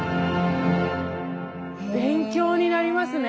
勉強になりますね。